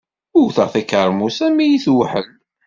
Wteɣ takermust armi yi-tewḥel